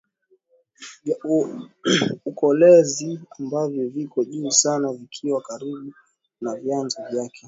vya ukolezi ambavyo viko juu sana vikiwa karibu na vyanzo vyake